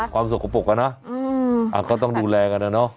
ความสกปรกอะน่ะก็ต้องดูแลกัน